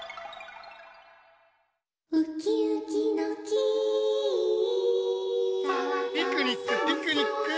「ウキウキの木」ピクニックピクニック！